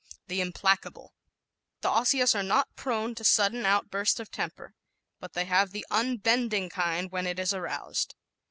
The Implacable ¶ The Osseous are not prone to sudden outbursts of temper. But they have the unbending kind when it is aroused.